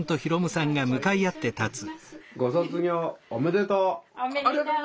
ご卒業おめでとう！